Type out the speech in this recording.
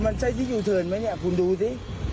มันใช่ที่ยูเทิร์นไหมเนี่ยคุณดูสิ